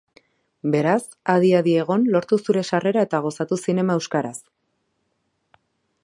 Beraz, adi-adi egon, lortu zure sarrera eta gozatu zinema euskaraz!